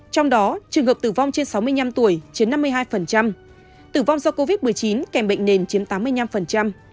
trong đó trường hợp tử vong trên sáu mươi năm tuổi chiếm năm mươi hai tử vong do covid một mươi chín kèm bệnh nền chiếm tám mươi năm